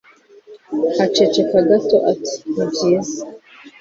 aceceka gato ati ni byiza